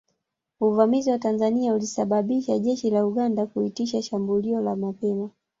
Uvamizi wa Tanzania ulisababisha jeshi la Uganda kuitisha shambulio la mapema